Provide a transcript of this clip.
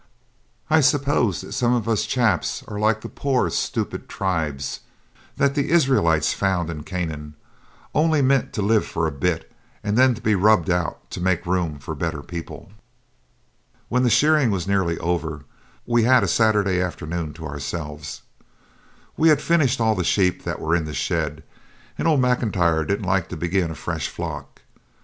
I suppose some of us chaps are like the poor stupid tribes that the Israelites found in Canaan, only meant to live for a bit and then to be rubbed out to make room for better people. When the shearing was nearly over we had a Saturday afternoon to ourselves. We had finished all the sheep that were in the shed, and old M'Intyre didn't like to begin a fresh flock.